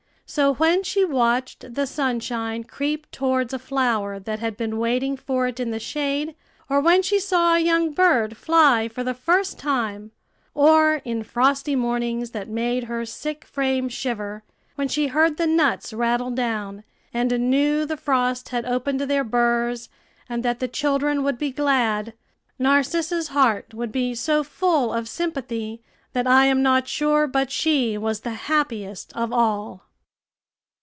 So when she watched the sunshine creep towards a flower that had been waiting for it in the shade, or when she saw a young bird fly for the first time, or, in frosty mornings that made her sick frame shiver, when she heard the nuts rattle down, and knew the frost had opened their burs, and that the children would be glad, Narcissa's heart would be so full of sympathy that I am not sure but she was the happiest of all.